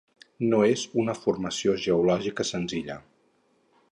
No és una formació geològica senzilla.